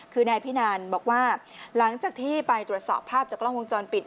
คือนายพินันบอกว่าหลังจากที่ไปตรวจสอบภาพจากกล้องวงจรปิด